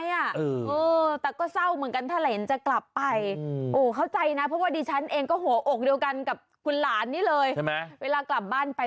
เออแต่ก็เศร้าเหมือนกันถ้าเหรนจะกลับไป